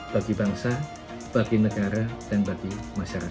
bagi bangsa bagi negara dan bagi masyarakat